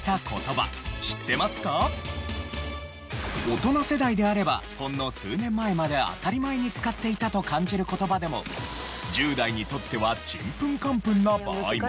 大人世代であればほんの数年前まで当たり前に使っていたと感じる言葉でも１０代にとってはちんぷんかんぷんな場合も。